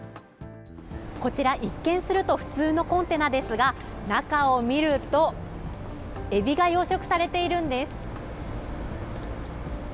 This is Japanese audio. こちら、一見すると普通のコンテナですが、中を見ると、エビが養殖されているんです。